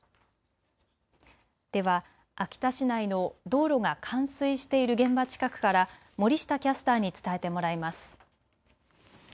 では秋田市内の道路が冠水している現場近くから森下キャスターに伝えてもらいます。